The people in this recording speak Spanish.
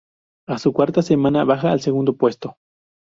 A su cuarta semana baja al segundo puesto.